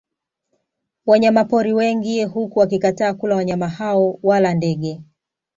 Wanyama pori wengi huku wakikataa kula wanyama hao wala ndege